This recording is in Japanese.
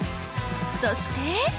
そして！